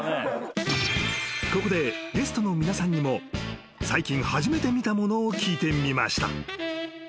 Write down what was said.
［ここでゲストの皆さんにも最近初めて見たものを聞いてみました］